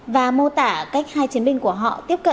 và mô tả cách hai chiến binh của họ tiếp cận